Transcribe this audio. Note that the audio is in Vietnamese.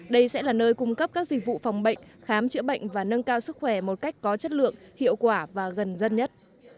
đây sẽ là nơi cung cấp các dịch vụ phòng bệnh khám chữa bệnh và nâng cao sức khỏe một cách có chất lượng hiệu quả và gần dân nhất